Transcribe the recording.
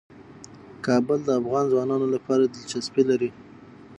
کابل د افغان ځوانانو لپاره دلچسپي لري.